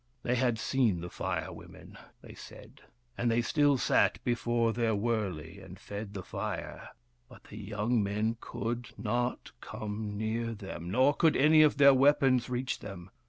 They had seen the Fire Women, they said, and they still sat before their wurley and fed the fire ; but the young men could not come near them, nor could any of their weapons reach them.